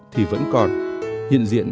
thì vẫn còn hiện diện